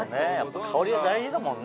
香りは大事だもんね。